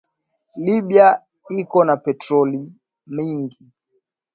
Libya iko na petroli mingi